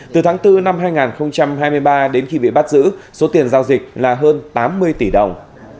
từ tháng bốn năm hai nghìn hai mươi ba đến khi bị bắt giữ số tiền giao dịch là hơn tám mươi tỷ đồng